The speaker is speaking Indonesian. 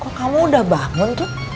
kok kamu udah bangun tuh